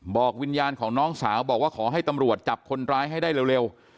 บอกวิญญาณของน้องสาวบอกว่าขอให้ตำรวจจับคนร้ายให้ได้เร็ว